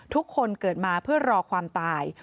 ทุกคนเกิดมาเพื่อรอความตาย